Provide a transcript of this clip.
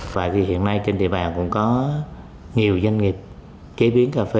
và thì hiện nay trên địa bàn cũng có nhiều doanh nghiệp kế biến cà phê